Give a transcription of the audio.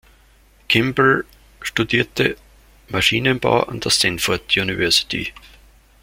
Kimball studierte Maschinenbau an der Stanford University.